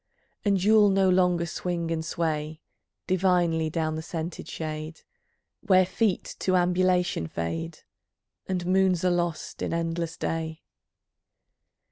And you'll no longer swing and sway Divinely down the scented shade, Where feet to Ambulation fade, And moons are lost in endless Day.